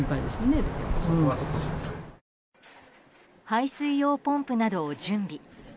排水用ポンプなどを準備。